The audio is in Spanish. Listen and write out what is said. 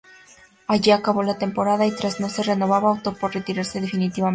Allí acabó la temporada, y tras no ser renovado, optó por retirarse definitivamente.